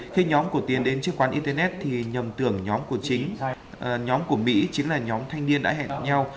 khi nhóm của tiến đến trước quán internet thì nhầm tưởng nhóm của mỹ chính là nhóm thanh niên đã hẹn nhau